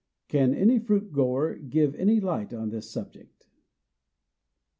Can any fruit grower give any light on this subject?